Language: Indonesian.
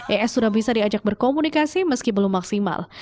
es sudah bisa diajak berkomunikasi meski belum maksimal